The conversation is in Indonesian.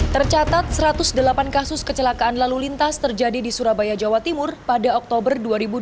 tercatat satu ratus delapan kasus kecelakaan lalu lintas terjadi di surabaya jawa timur pada oktober dua ribu dua puluh